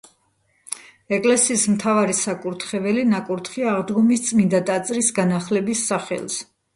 ეკლესიის მთავარი საკურთხეველი ნაკურთხია აღდგომის წმინდა ტაძრის განახლების სახელზე.